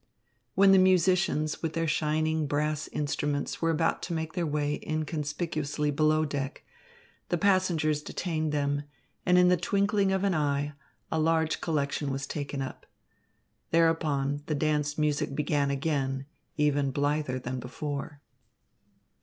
When the musicians with their shining brass instruments were about to make their way inconspicuously below deck, the passengers detained them, and in the twinkling of an eye, a large collection was taken up. Thereupon the dance music began again, even blither than before.